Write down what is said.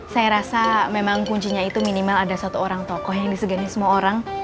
saya rasa memang kuncinya itu minimal ada satu orang tokoh yang disegani semua orang